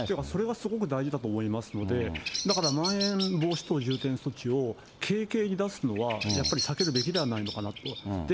それはすごく大事だと思いますので、だからまん延防止等重点措置を軽々に出すのはやっぱり避けるべきではないのかなと。